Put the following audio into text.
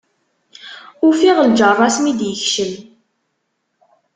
Ufiɣ lǧerra-s mi d-yekcem.